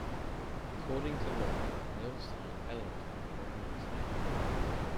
According to lore, Mills signed Ellington the very next day.